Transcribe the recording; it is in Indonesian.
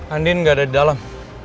anding gak ada di dalam